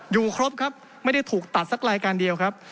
อยู่ครบครับไม่ได้ถูกตัดสักรายการเดียวครับ